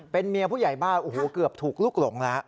เป็นเมียผู้ใหญ่บ้านโอ้โหเกือบถูกลุกหลงแล้ว